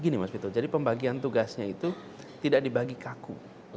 gini mas vito jadi pembagian tugasnya itu tidak dibagi kaku